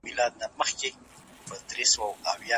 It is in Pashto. که انتيک پلورونکی ساعت وګوري.